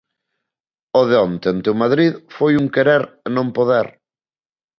O de onte ante o Madrid foi un querer e non poder.